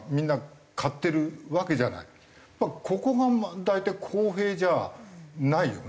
ここが大体公平じゃないよね。